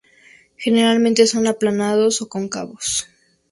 Generalmente son aplanados o cóncavos.